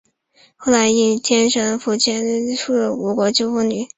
后来应神天皇复遣阿知使主前往吴国求缝工女。